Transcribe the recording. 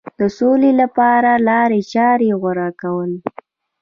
د سولې لپاره لارې چارې غوره کول.